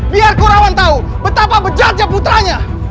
biar kurawan tahu betapa bejatnya putranya